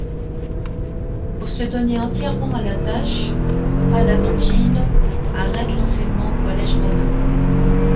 Pour se donner entièrement à la tâche Pallavicino arrête l’enseignement au Collège romain.